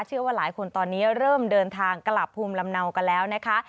เชื่อว่าหลายคนตอนนี้เริ่มเดินทางกลับภูมิลำเนากันแล้วนะคะ